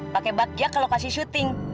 pakai bakyak kalau kasih syuting